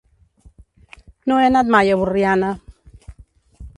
No he anat mai a Borriana.